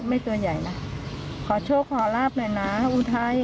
ตัวใหญ่นะขอโชคขอลาบหน่อยนะอุทัย